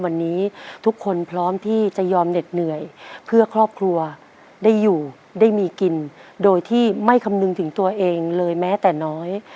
วันนี้ทุกคนพร้อมที่จะยอมเหน็ดเหนื่อยเพื่อครอบครัวได้อยู่ได้มีกินโดยที่ไม่คำนึงถึงตัวเองเลยแม้แต่น้อย